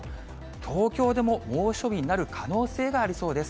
東京でも猛暑日になる可能性がありそうです。